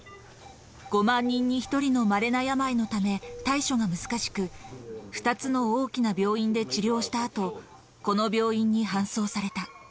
５万人に１人のまれな病のため、対処が難しく、２つの大きな病院で治療したあと、この病院に搬送された。